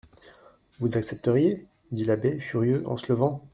Vous accepteriez ? dit l'abbé furieux, et se levant.